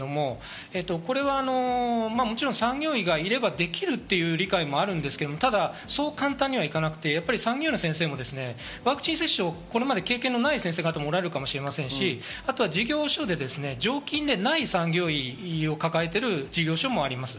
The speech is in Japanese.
そして打ち手の確保ですけれども、これはもちろん産業医がいればできるという理解もあるんですけど、そう簡単にはいかなくて、産業医の先生もワクチン接種をこれまで経験のない先生方もおられるかもしれませんし、事業所で常勤でない産業医を抱えている事業者もあります。